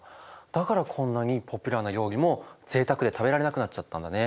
だからこんなにポピュラーな料理もぜいたくで食べられなくなっちゃったんだね。